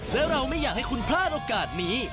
และเราไม่อยากให้คุณพลาดโอกาสนี้